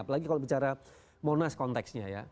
apalagi kalau bicara monas konteksnya ya